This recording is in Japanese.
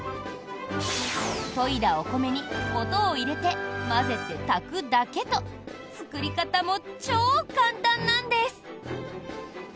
研いだお米に素を入れて混ぜて炊くだけと作り方も超簡単なんです！